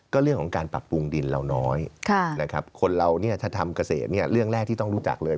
ก็เรื่องของการปรับปรุงดินเราน้อยนะครับคนเราเนี่ยถ้าทำเกษตรเนี่ยเรื่องแรกที่ต้องรู้จักเลย